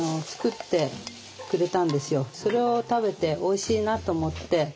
それを食べておいしいなと思って。